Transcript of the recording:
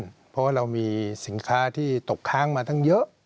เพราะว่าเรามีสินค้าที่ตกค้างมาตั้งเยอะ